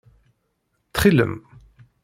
Ttxil-m!